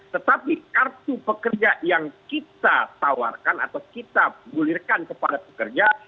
tetapi kartu pekerja yang kita tawarkan atau kita gulirkan kepada pekerja